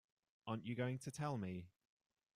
Aren't you going to tell me?